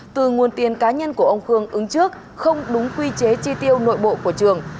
từ nguồn tiền cá nhân của ông khương ứng trước không đúng quy chế chi tiêu nội bộ của trường